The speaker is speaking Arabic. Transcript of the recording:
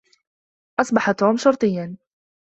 أصبح توم شرطيا.